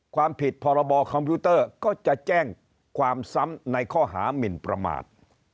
ความผิดพรบคอมพิวเตอร์ก็จะแจ้งความซ้ำในข้อหามินประมาท